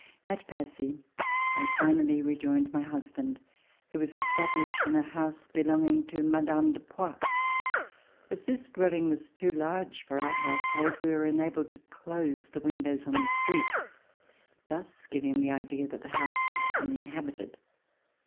At Passy I finally rejoined my husband who was established in a house belonging to Mme. de Poix. As this dwelling was too large for our household, we were enabled to close the windows on the street, thus giving the idea that the house was uninhabited.